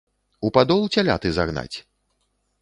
У падол цяляты загнаць?